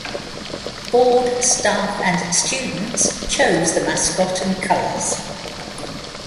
Board, staff and students chose the mascot and colors.